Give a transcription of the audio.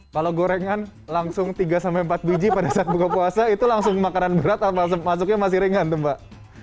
kalau gorengan langsung tiga sampai empat biji pada saat buka puasa itu langsung makanan berat atau masuknya masih ringan tuh mbak